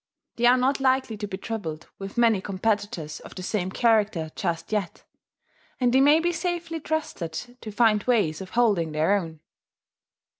They are not likely to be troubled with many competitors of the same character just yet; and they may be safely trusted to find ways of holding their own."